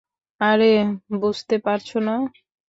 আরে, বুঝতে পারছো না?